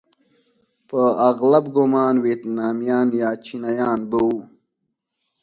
په اغلب ګومان ویتنامیان یا چینایان به وو.